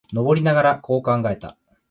登りながら、こう考えた。